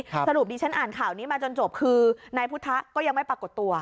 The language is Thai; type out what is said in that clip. สรุปดิฉันอ่านข่าวนี้มาจนจบคือนายพุทธะก็ยังไม่ปรากฏตัว